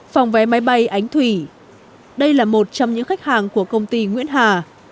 phòng vé máy bay ánh thủy đây là một trong những khách hàng của công ty nguyễn hà